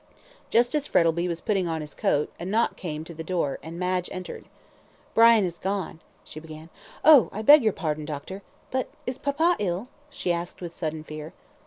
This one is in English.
Just as Frettlby was putting on his coat, a knock came to the door, and Madge entered. "Brian is gone," she began. "Oh, I beg your pardon, doctor but is papa ill?" she asked with sudden fear.